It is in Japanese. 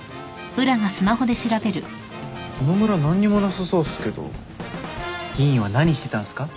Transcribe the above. この村何にもなさそうっすけど議員は何してたんすか？